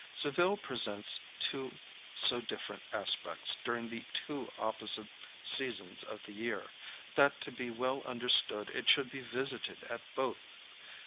Seville presents two so different aspects during the two opposite seasons of the year, that to be well understood it should be visited at both.